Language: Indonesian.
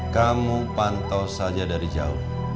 kamu pantau saja dari jauh